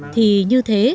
thì như thế